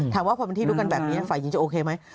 ถามว่าพอเป็นที่รู้กันแบบนี้ฝ่ายหญิงจะโอเคไหม